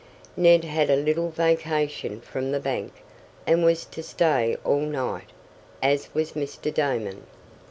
Ned had a little vacation from the bank, and was to stay all night, as was Mr. Damon.